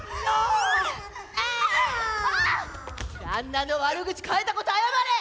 わあっ⁉旦那の悪口書いたこと謝れ！